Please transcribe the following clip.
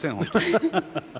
ハハハハ！